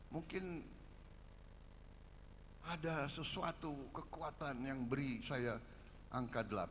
mungkin ada sesuatu kekuatan yang beri saya angka delapan